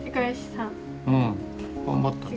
うん。頑張ったね。